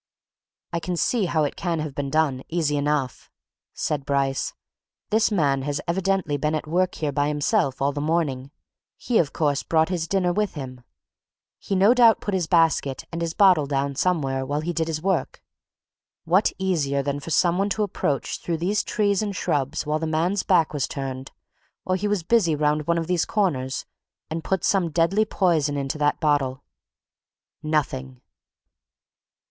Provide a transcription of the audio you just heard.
"I can see how it can have been done, easy enough," said Bryce. "This man has evidently been at work here, by himself, all the morning. He of course brought his dinner with him. He no doubt put his basket and his bottle down somewhere, while he did his work. What easier than for some one to approach through these trees and shrubs while the man's back was turned, or he was busy round one of these corners, and put some deadly poison into that bottle? Nothing!"